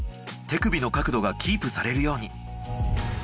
手首の角度がキープされるように。